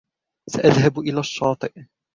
ساذهب إلى الشاطئ.